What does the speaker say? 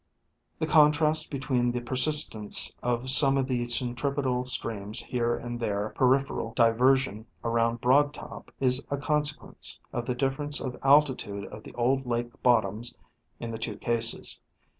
The contrast between the persistence of some of the centripetal streams here and their peripheral diversion around Broad Top is a consequence of the difference of altitude of the old lake bottoms in the two cases.